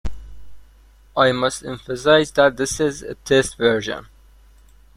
I must emphasize that this is a test version.